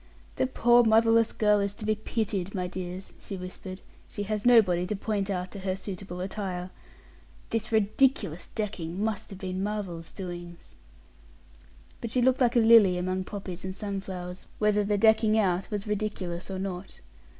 "The poor motherless girl is to be pitied, my dears," she whispered; "she has nobody to point out to her suitable attire. This ridiculous decking out must have been Marvel's doings." But she looked like a lily among poppies and sunflowers whether the "decking out" was ridiculous or not.